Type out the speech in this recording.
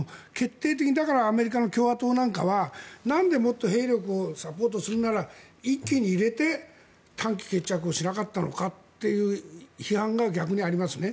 だからアメリカの共和党なんかはなんでもっと兵力をサポートするなら、一気に入れて短期決着をしなかったのかという批判が逆にありますね。